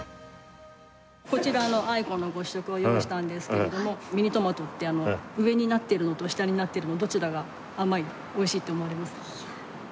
こちらアイコのご試食を用意したんですけれどもミニトマトって上になってるのと下になってるのどちらが甘いおいしいって思われます？